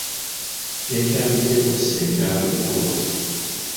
Yakyaliddeko ssengaawe eggulo.